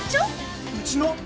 ・うちの？